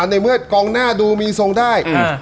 ในเมื่อกองหน้าดูมีทรงได้